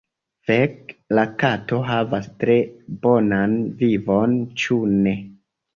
Fek' la kato havas tre bonan vivon, ĉu ne?